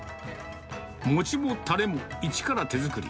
餅もたれも一から手作り。